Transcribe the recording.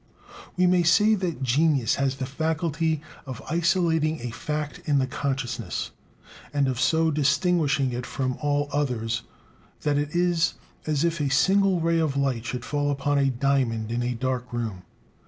We may say that genius has the faculty of isolating a fact in the consciousness, and of so distinguishing it from all others that it is as if a single ray of light should fall upon a diamond in a dark room.